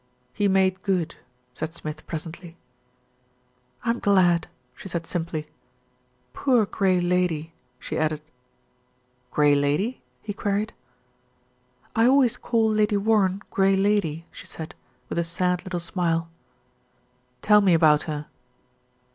"He made good," said Smith presently. "I'm glad," she said simply. "Poor Grey Lady," she added. "Grey Lady?" he queried. "I always call Lady Warren 'Grey Lady,' " she said, with a sad little smile. "Tell me about her."